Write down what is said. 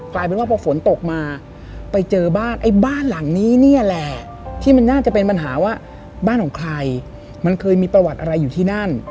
กลายเป็นว่าพอฝนตกมาไปเจอบ้านไอ้บ้านหลังนี้นี่แหละที่มันน่าจะเป็นปัญหาว่าบ้านของใครมันเคยมีประวัติอะไรอยู่ที่นั่น